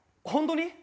本当に？